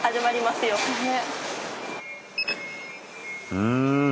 うん。